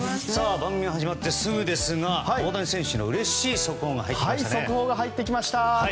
番組が始まってすぐですが大谷選手のうれしい速報が入ってきましたね。